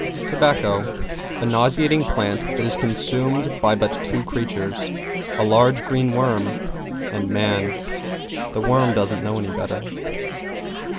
=TOBACCO= A nauseating plant that is consumed by but two creatures; a large, green worm and man. The worm doesn't know any better.